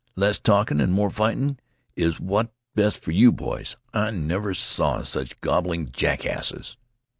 Less talkin' an' more fightin' is what's best for you boys. I never saw sech gabbling jackasses."